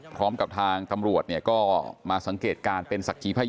พร้อมกับทางตำรวจมาสังเกตการณ์